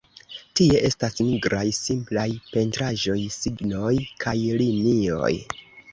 Tie estas nigraj simplaj pentraĵoj, signoj kaj linioj.